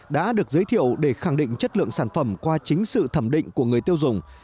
đã được giới thiệu để khẳng định chất lượng sản phẩm qua chính sự thẩm định của người tiêu dùng